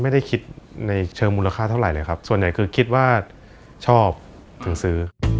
ไม่ได้คิดในเชิงมูลค่าเท่าไหร่เลยครับส่วนใหญ่คือคิดว่าชอบถึงซื้อ